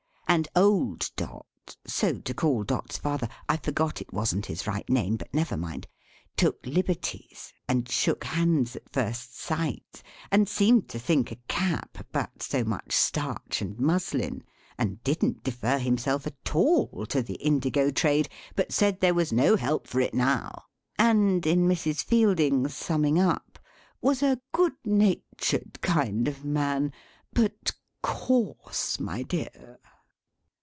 And old Dot: so to call Dot's father; I forgot it wasn't his right name, but never mind: took liberties, and shook hands at first sight, and seemed to think a cap but so much starch and muslin, and didn't defer himself at all to the Indigo trade, but said there was no help for it now; and, in Mrs. Fielding's summing up, was a good natured kind of man but coarse, my dear.